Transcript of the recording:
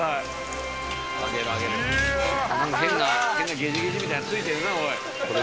変なゲジゲジみたいなついてるなおい。